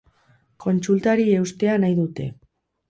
Kontsultari eustea nahi dute.